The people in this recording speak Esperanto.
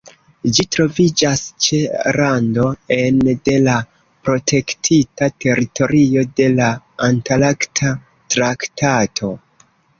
Ĝi troviĝas ĉe rando ene de la protektita teritorio de la Antarkta traktato.